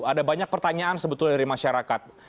ada banyak pertanyaan sebetulnya dari masyarakat